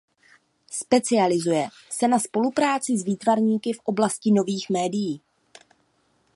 Specializuje se na spolupráci s výtvarníky v oblasti nových médií.